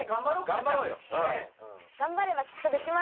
頑張ればきっとできます！